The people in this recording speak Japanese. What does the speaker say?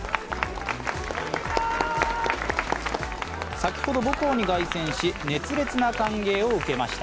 先ほど、母校に凱旋し熱烈な歓迎を受けました。